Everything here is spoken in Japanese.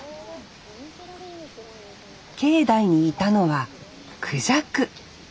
境内にいたのはクジャク。